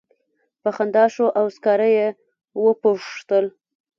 په خندا شو او سکاره یې وپوښتل.